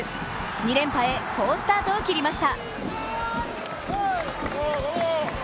２連覇へ好スタートを切りました。